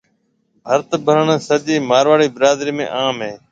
ڀرت ڀرڻ سجِي مارواڙِي برادرِي ۾ عام هيَ۔